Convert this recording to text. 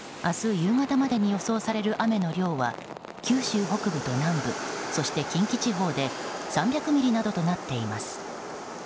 夕方までに予想される雨の量は九州北部と南部そして近畿地方で３００ミリなどとなっています。